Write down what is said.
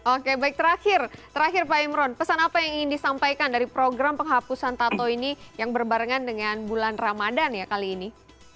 oke baik terakhir terakhir pak imron pesan apa yang ingin disampaikan dari program penghapusan tato ini yang berbarengan dengan bulan ramadan ya kali ini